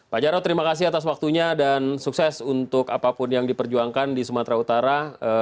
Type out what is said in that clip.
pak jarod terima kasih atas waktunya dan sukses untuk apapun yang diperjuangkan di sumatera utara